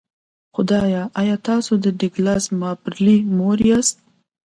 خدایه ایا تاسو د ډګلاس مابرلي مور یاست